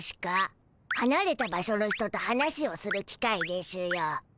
はなれた場所の人と話をするきかいでしゅよ。